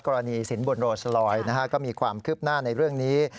กรณีสินบุญโรจลอยด์นะฮะก็มีความคืบหน้าในเรื่องนี้